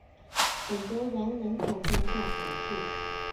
本德然人口变化图示